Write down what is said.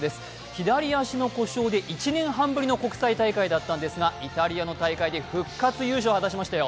左足の故障で１年半ぶりの国際大会なんですがイタリアの大会で復活優勝を果たしましたよ。